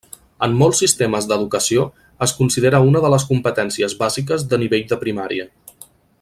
En molts sistemes d'educació es considera una de les competències bàsiques de nivell de primària.